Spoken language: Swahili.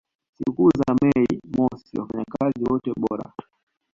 sikukuu za Mei mosi wafanyakazi wote bora